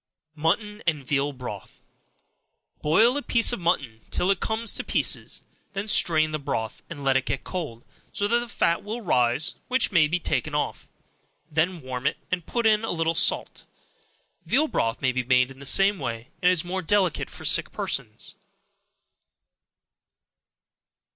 Mutton and Veal Broth. Boil a piece of mutton till it comes to pieces; then strain the broth, and let it get cold, so that the fat will rise, which must be taken off; then warm it, and put in a little salt. Veal broth may be made in the same way, and is more delicate for sick persons.